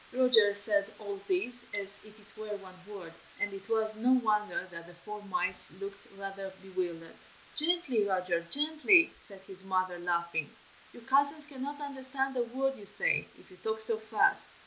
Roger said all this as if it were one word, and it was no wonder that the four mice looked rather bewildered. "Gently, Roger! gently!" said his mother, laughing. "Your cousins cannot understand a word you say, if you talk so fast."